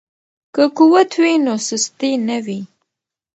که قوت وي نو سستي نه وي.